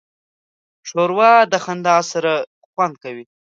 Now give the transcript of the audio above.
ښوروا د خندا سره خوند کوي.